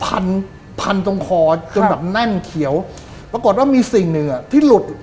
พันพันตรงคอจนแบบแน่นเขียวปรากฏว่ามีสิ่งหนึ่งอ่ะที่หลุด